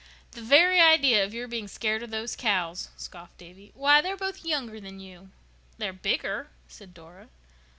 "The very idea of your being scared of those cows," scoffed Davy. "Why, they're both younger than you." "They're bigger," said Dora.